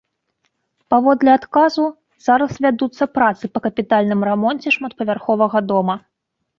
Паводле адказу зараз вядуцца працы па капітальным рамонце шматпавярховага дома.